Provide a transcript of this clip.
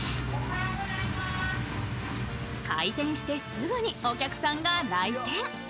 開店してすぐにお客さんが来店。